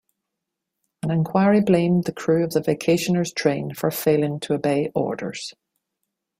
An inquiry blamed the crew of the vacationers' train for failing to obey orders.